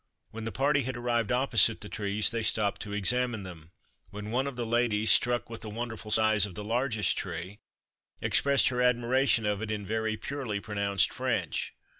When the party had arrived opposite the trees they stopped to examine them, when one of the ladies, struck with the wonderful size of the largest tree, expressed her admiration of it in very purely pronounced French.